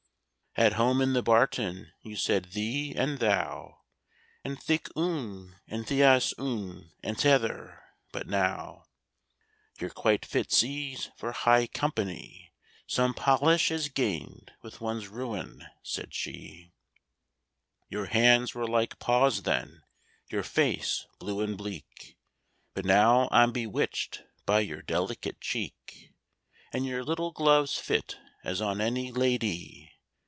—"At home in the barton you said 'thee' and 'thou,' And 'thik oon,' and 'theäs oon,' and 't'other'; but now Your talking quite fits 'ee for high compa ny!"— "Some polish is gained with one's ruin," said she. —"Your hands were like paws then, your face blue and bleak, But now I'm bewitched by your delicate cheek, And your little gloves fit as on any la dy!"